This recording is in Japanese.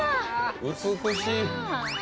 美しい！